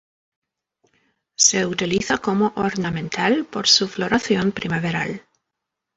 Se utiliza como ornamental por su floración primaveral.